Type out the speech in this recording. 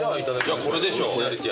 これでしょう。